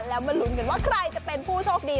แล้วมาลุ้นกันว่าใครจะเป็นผู้โชคดี